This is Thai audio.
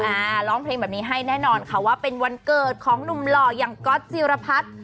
อ่าร้องเพลงแบบนี้ให้แน่นอนค่ะว่าเป็นวันเกิดของหนุ่มหล่ออย่างก๊อตจิรพัฒน์